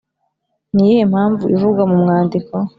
Ni iyihe mpamvu ivugwa mu mwandiko